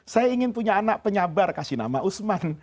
saya ingin punya anak penyabar kasih nama usman